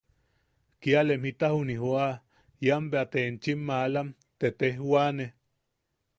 –Kiaalem jita juni jooa ian bea te enchim malam te tejwane.